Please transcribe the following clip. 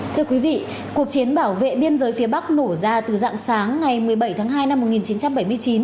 thưa quý vị cuộc chiến bảo vệ biên giới phía bắc nổ ra từ dạng sáng ngày một mươi bảy tháng hai năm một nghìn chín trăm bảy mươi chín